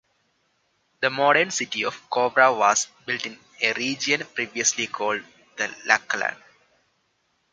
The modern city of Cowra was built in a region previously called "The Lachlan".